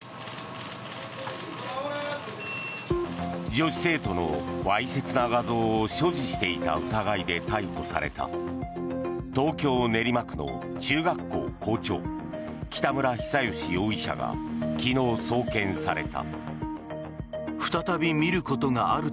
女子生徒のわいせつな画像を所持していた疑いで逮捕された東京・練馬区の中学校校長北村比左嘉容疑者が昨日、送検された。